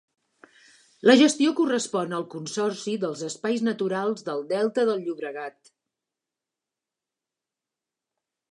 La gestió correspon al Consorci dels Espais Naturals del Delta del Llobregat.